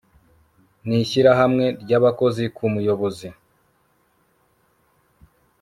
n ishyirahamwe ry abakozi ku muyobozi